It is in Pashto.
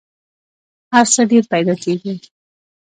هر څه ډېر پیدا کېږي .